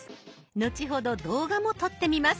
後ほど動画も撮ってみます。